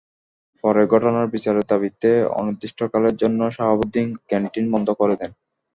পরে ঘটনার বিচারের দাবিতে অনির্দিষ্টকালের জন্য সাহাবুদ্দীন ক্যানটিন বন্ধ করে দেন।